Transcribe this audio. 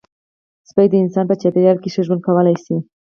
سپي د انسان په چاپېریال کې ښه ژوند کولی شي.